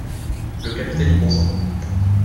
Le capitaine y consent.